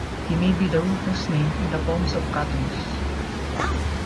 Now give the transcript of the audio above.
He may be the Rufus named in the poems of Catullus.